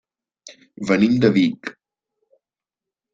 Venim de Vic.